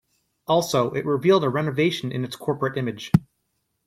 Also, it revealed a renovation in its corporate image.